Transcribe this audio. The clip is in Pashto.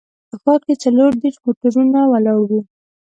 په ښار کې څلور دیرش موټرونه ولاړ وو.